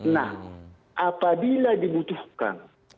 nah apabila dibutuhkan